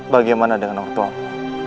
bagaimana dengan orang tuamu